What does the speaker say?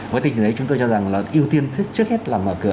với tình hình đấy chúng tôi cho rằng là ưu tiên trước hết là mở cửa